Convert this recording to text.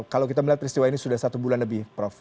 kalau kita melihat peristiwa ini sudah satu bulan lebih prof